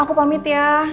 aku pamit ya